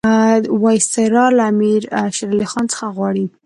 وایسرا له امیر شېر علي خان څخه غواړي.